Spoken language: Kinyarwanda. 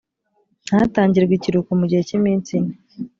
ntatangirwe ikiruhuko mu gihe cy’iminsi ine